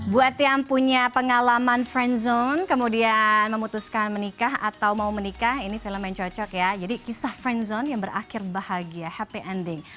buat yang punya pengalaman friendzone kemudian memutuskan menikah atau mau menikah ini film main cocok ya jadi kisah friendzone yang berakhir bahagia happy ending